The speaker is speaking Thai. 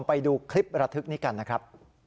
ไปดูคลิประทึกนี้กันนะครับ